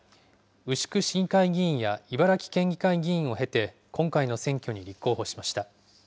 牛久市議会議員や茨城県議会議員を経て、今回の選挙に立候補しました。